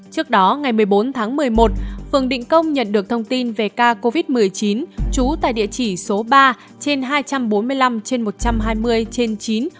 từ bốn tháng một mươi một phường định công nhận được thông tin về ca covid một mươi chín trú tại địa chỉ số ba trên hai trăm bốn mươi năm trên một trăm hai mươi trên chín